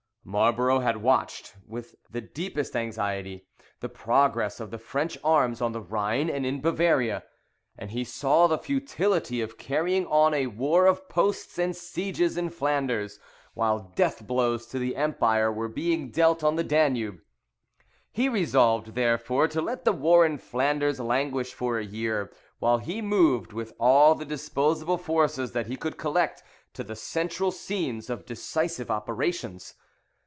Marlborough had watched, with the deepest anxiety, the progress of the French arms on the Rhine and in Bavaria, and he saw the futility of carrying on a war of posts and sieges in Flanders, while death blows to the empire were being dealt on the Danube. He resolved therefore to let the war in Flanders languish for a year, while he moved with all the disposable forces that he could collect to the central scenes of decisive operations.